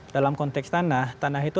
dalam konteks tanah tanah itu